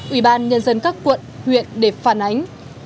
ủy ban nhân dân các quận huyện để phản ánh